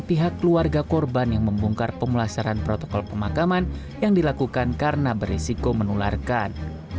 pihak keluarga korban yang membongkar pemulasaran protokol pemakaman yang dilakukan karena berisiko menularkan